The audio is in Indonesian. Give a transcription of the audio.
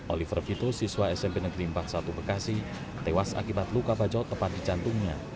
oliver vito siswa smp negeri empat puluh satu bekasi tewas akibat luka bajo tepat di jantungnya